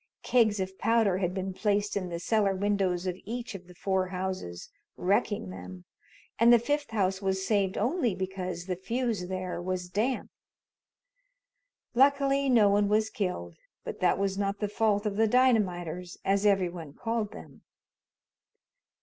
Kegs of powder had been placed in the cellar windows of each of the four houses, wrecking them, and the fifth house was saved only because the fuse there was damp. Luckily no one was killed, but that was not the fault of the "dynamiters," as every one called them.